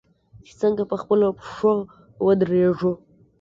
چې څنګه په خپلو پښو ودریږو.